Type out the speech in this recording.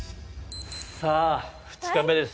さあ２日目です。